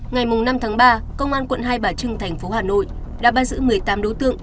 ngày năm tháng ba công an quận hai bà trưng thành phố hà nội đã bắt giữ một mươi tám đối tượng